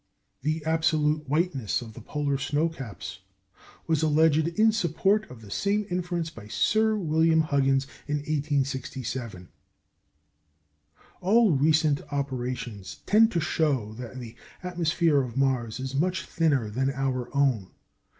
The absolute whiteness of the polar snow caps was alleged in support of the same inference by Sir William Huggins in 1867. All recent operations tend to show that the atmosphere of Mars is much thinner than our own.